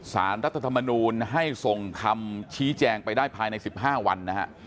สารรัฐธรรมนูลให้ส่งคำชี้แจงไปได้ภายใน๑๕วันนะฮะ